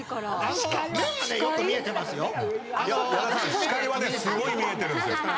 視界はねすごい見えてるんですよ。